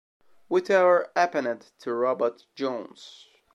Whatever Happened to Robot Jones?